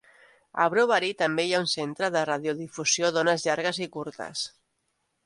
A Brovary també hi ha un centre de radiodifusió d'ones llargues i curtes.